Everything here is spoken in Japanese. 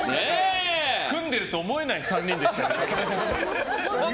組んでると思えない３人でしたよ。